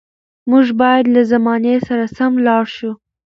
موږ باید له زمانې سره سم لاړ شو.